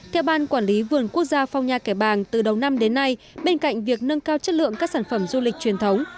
theo ban quản lý vườn quốc gia phong nha kẻ bàng từ đầu năm đến nay bên cạnh việc nâng cao chất lượng các sản phẩm du lịch truyền thống